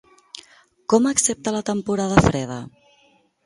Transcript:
Com accepta la temporada freda?